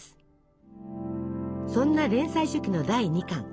そんな連載初期の第２巻。